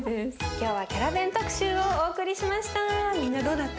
今日はキャラベン特集をお送りしました。